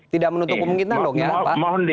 tidak menutup kemungkinan dong ya pak